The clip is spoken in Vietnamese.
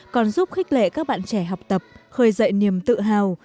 còn giúp khích lệ các bạn trẻ học tập khơi dậy niềm tự hào